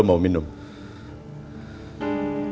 aku sudah berusaha untuk mengambil alih